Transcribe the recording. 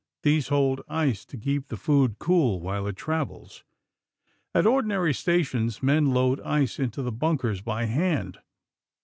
These hold ice to keep the food cool while it travels. At ordinary stations, men load ice into the bunkers by hand.